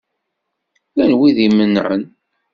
Llan wid imenεen?